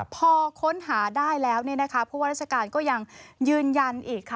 พอค้นหาได้แล้วผู้ว่าราชการก็ยังยืนยันอีกค่ะ